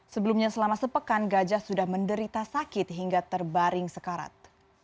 sebelumnya selama sepekan gajah sudah menderita sakit hingga terbaring sekarat